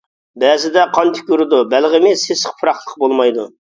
بەزىدە قان تۈكۈرىدۇ، بەلغىمى سېسىق پۇراقلىق بولمايدۇ.